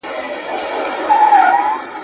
د مسجدي او د اکبر مېنه ده.